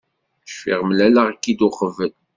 Cfiɣ mlaleɣ-k-id uqbel.